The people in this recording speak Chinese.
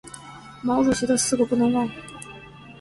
毛主席的四个不能忘！